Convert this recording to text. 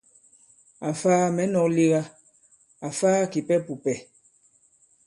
Àfaa mɛ̌ nɔ̄k lega, àfaa kìpɛ pùpɛ̀.